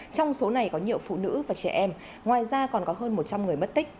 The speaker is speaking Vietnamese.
trong số này có nhiều phụ nữ và trẻ em ngoài ra còn có hơn một trăm linh người mất tích